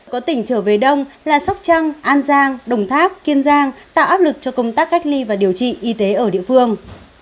có tỉnh trở về đông là sóc trăng an giang đồng tháp kiên giang tạo áp lực cho công tác cách ly và điều trị y tế ở địa phương